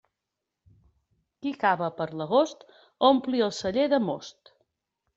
Qui cava per l'agost ompli el celler de most.